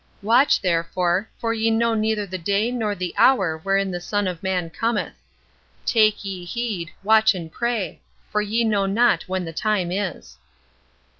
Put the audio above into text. "Watch therefore, for ye know neither the day nor the hour wherein the Son of man cometh." "Take ye heed, watch and pray: for ye know not when the time is."